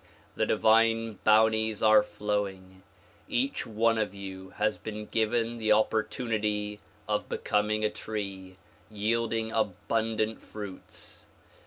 The divine bounties are flowing. Each one of you has been given the opportunity of becoming a tree yielding abundant fruits.